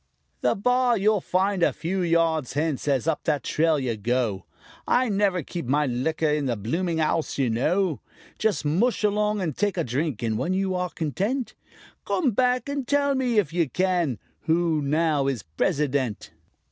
"The bar you'll find a few yards hence as up that trail you go; I never keep my liquor in the blooming 'ouse, you know. Just mush along and take a drink, and when you are content Come back and tell me, if you can, who now is President."